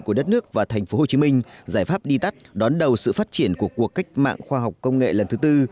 của đất nước và tp hcm giải pháp đi tắt đón đầu sự phát triển của cuộc cách mạng khoa học công nghệ lần thứ tư